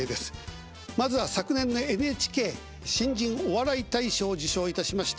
まずは昨年の「ＮＨＫ新人お笑い大賞」を受賞いたしました